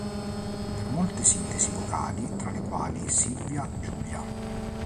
Per molte sintesi vocali, tra le quali Silvia, Giulia.